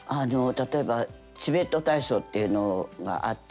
例えばチベット体操っていうのがあってね。